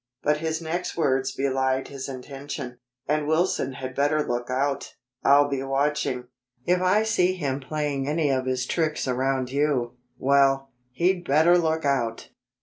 But his next words belied his intention. "And Wilson had better lookout. I'll be watching. If I see him playing any of his tricks around you well, he'd better look out!"